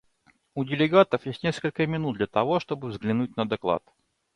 У делегатов есть несколько минут для того, чтобы взглянуть на доклад.